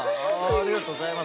ありがとうございます。